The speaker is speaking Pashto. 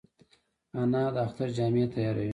انا د اختر جامې تیاروي